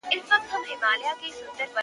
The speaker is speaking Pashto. دغه حالت د انسانيت د سقوط انځور وړلاندي کوي-